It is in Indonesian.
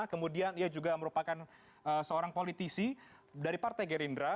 kemudian ia juga merupakan seorang politisi dari partai gerindra